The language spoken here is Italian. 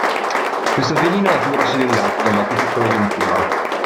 Questo felino è più grosso di un gatto, ma più piccolo di un puma.